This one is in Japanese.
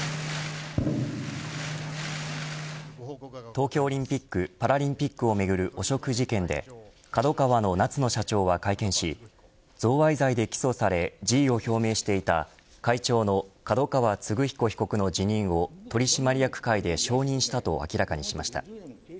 東京オリンピックパラリンピックをめぐる汚職事件でＫＡＤＯＫＡＷＡの夏野社長は会見し贈賄罪で起訴され辞意を表明していた会長の角川歴彦被告の辞任を取締役会で承認したと明らかにしました。